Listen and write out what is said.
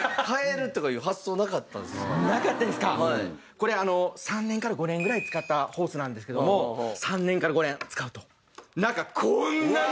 これ３年から５年ぐらい使ったホースなんですけども３年から５年使うと中こんなに！